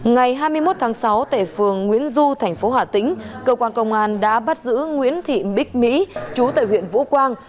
ngày hai mươi một tháng sáu tại phường nguyễn du thành phố hà tĩnh cơ quan công an đã bắt giữ nguyễn thị bích mỹ chú tại huyện vũ quang